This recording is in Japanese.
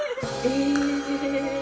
え？